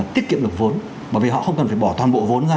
tiết kiệm được vốn bởi vì họ không cần phải bỏ toàn bộ vốn ra